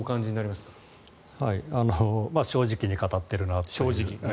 まあ、正直に語っているなという。